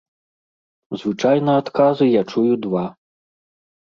Звычайна адказы я чую два.